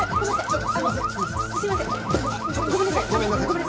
ちょっと失礼ごめんなさい。